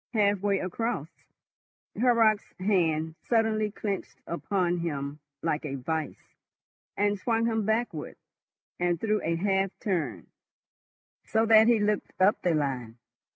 Halfway across, Horrocks' hand suddenly clenched upon him like a vice, and swung him backward and through a half turn, so that he looked up the line.